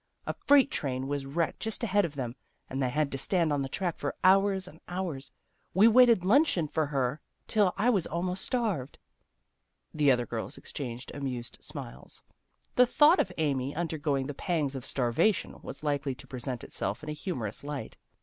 A freight train was wrecked just ahead of them, and they had to stand on the track for hours and hours. We waited luncheon for her till I was almost starved." The other girls exchanged amused smiles. The thought of Amy, undergoing the pangs of starvation, was likely to present itself in a humorous light.